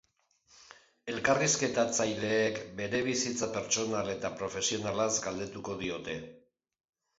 Elkarrizketatzaileek bere bizitza pertsonal eta profesionalaz galdetuko diote.